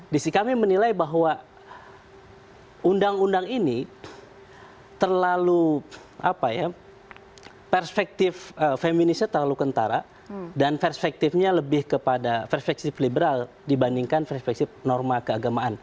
di sisi kami menilai bahwa undang undang ini terlalu perspektif feminisnya terlalu kentara dan perspektifnya lebih kepada perspektif liberal dibandingkan perspektif norma keagamaan